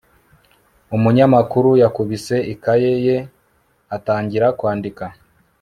umunyamakuru yakubise ikaye ye atangira kwandika